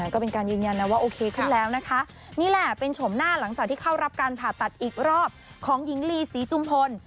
ก็เป็นการยืนยันนะว่าโอเคขึ้นแล้วนะคะนี่แหละเป็นชมหน้าหลังจากที่เข้ารับการผ่าตัดอีกรอบของหญิงลีศรีจุมพล